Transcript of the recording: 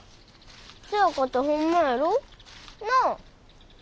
せやかてホンマやろ？なあ？